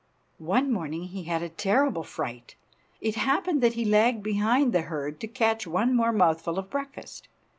One morning he had a terrible fright. It happened that he lagged behind the herd to catch one more mouthful of breakfast.